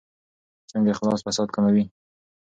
څنګه اخلاص فساد کموي؟